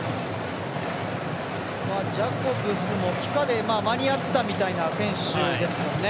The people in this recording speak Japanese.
ジャコブスも帰化で間に合ったみたいですもんね。